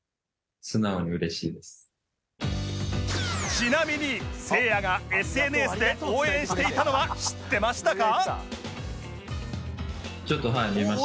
ちなみにせいやが ＳＮＳ で応援していたのは知ってましたか？